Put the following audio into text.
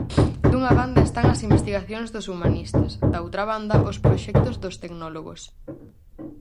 Dunha banda están as investigacións dos humanistas, da outra banda os proxectos dos tecnológos.